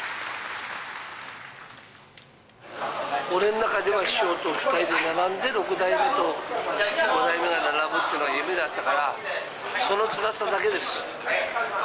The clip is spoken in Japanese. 俺の中では師匠と２人並んで、六代目と五代目が並ぶっていうのが夢だったから、そのつらさだけです。